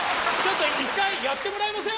一回やってもらいません？